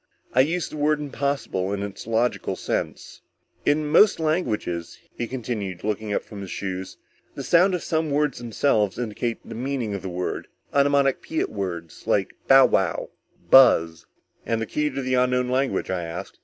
I use the word impossible in its logical sense._ "In most languages," he continued, looking up from his shoes, "the sound of some words themselves indicates the meaning of the word. Onomatopoetic words like bowwow, buzz." "And the key to the unknown language?" I asked.